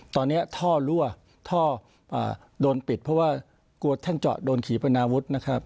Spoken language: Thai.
ตอนนี้ท่อรั่วท่อโดนปิดเพราะว่ากลัวท่านเจาะโดนขี่ปนาวุฒินะครับ